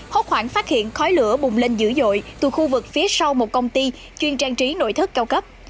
hốt khoảng phát hiện khói lửa bùng lên dữ dội từ khu vực phía sau một công ty chuyên trang trí nội thất cao cấp